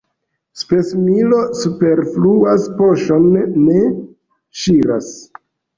Spesmilo superflua poŝon ne ŝiras.